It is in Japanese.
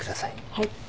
はい。